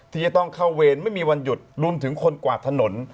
ที่จะต้องเข้าเวรไม่มีวันหยุดรวมถึงคนกวาดถนน